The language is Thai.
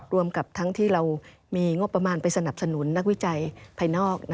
รวมกับทั้งที่เรามีงบประมาณไปสนับสนุนนักวิจัยภายนอก